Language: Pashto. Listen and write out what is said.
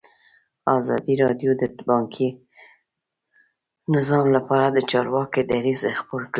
ازادي راډیو د بانکي نظام لپاره د چارواکو دریځ خپور کړی.